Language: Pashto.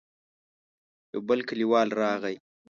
يو بل کليوال راغی.